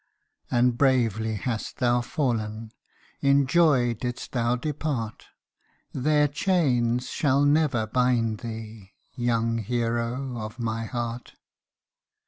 And bravely hast thou fallen ; In joy didst thou depart ; Their chains shall never bind thee, Young hero of my heart